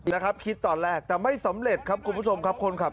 นะครับคิดตอนแรกแต่ไม่สำเร็จครับคุณผู้ชมครับคนขับ